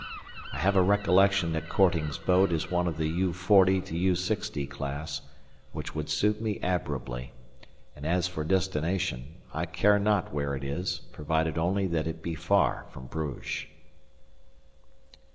I have a recollection that Korting's boat is one of the U.40 U.60 class, which would suit me admirably, and, as for destination, I care not where it is, provided only that it be far from Bruges.